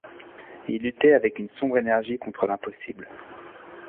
Il luttait avec une sombre énergie contre l’impossible !